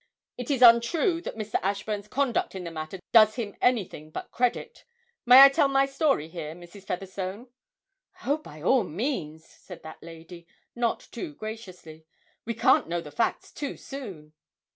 It is untrue that Mr. Ashburn's conduct in the matter does him anything but credit. May I tell my story here, Mrs. Featherstone?' 'Oh, by all means,' said that lady, not too graciously: 'we can't know the facts too soon.'